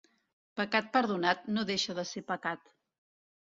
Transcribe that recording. Pecat perdonat no deixa de ser pecat.